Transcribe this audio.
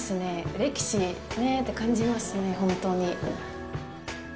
歴史を感じますね、本当に。